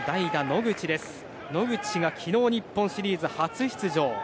野口が昨日、日本シリーズ初出場。